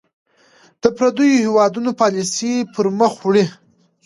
د پرديـو هېـوادونـو پالسـي پـر مــخ وړي .